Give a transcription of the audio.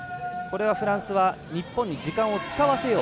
フランスは日本に時間を使わせよう。